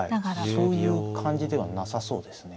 そういう感じではなさそうですね。